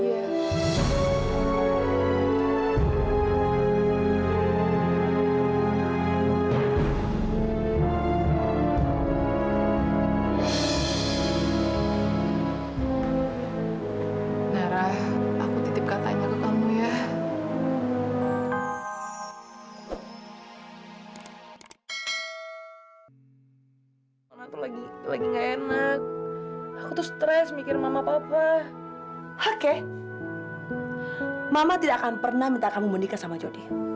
aku tidak akan pernah minta kamu menikah sama jody